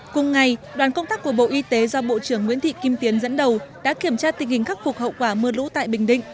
cùng ngày đoàn công tác của bộ y tế do bộ trưởng nguyễn thị kim tiến dẫn đầu đã kiểm tra tình hình khắc phục hậu quả mưa lũ tại bình định